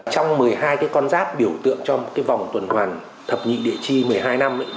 trong một mươi hai cái con giáp biểu tượng cho một cái vòng tuần hoàn thập nhị địa chi một mươi hai năm